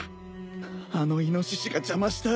あのイノシシが邪魔した。